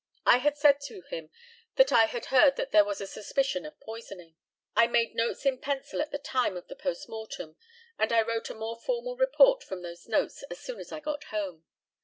I had said to him that I had heard that there was a suspicion of poisoning. I made notes in pencil at the time of the post mortem, and I wrote a more formal report from those notes as soon as I got home.